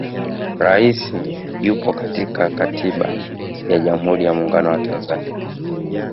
rais yupo chini ya katiba ya jamhuri ya muungano wa tanzania